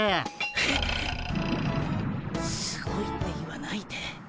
えすごいって言わないで。